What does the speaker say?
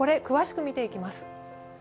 詳しく見ていきます。